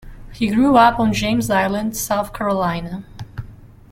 He grew up on James Island, South Carolina.